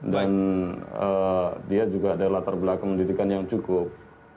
dan dia juga adalah terbelah kemendidikan yang cukup